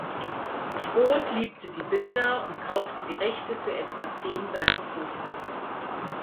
Roth liebte die Bilder und kaufte die Rechte für etwa zehn seiner Poster.